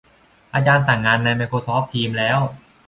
อาจารย์สั่งงานในไมโครซอฟท์ ทีมส์ แล้ว